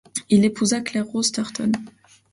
Il épousa Claire-Rose Tartonne.